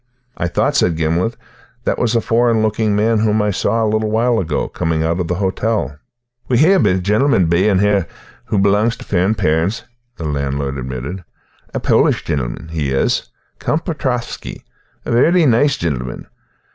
"I thought," said Gimblet, "that was a foreign looking man whom I saw a little while ago, coming out of the hotel." "We hae ae gintleman bidin' here wha belongs tae foreign pairts," the landlord admitted. "A Polish gintleman, he is, Count Pretovsky, a vary nice gintleman.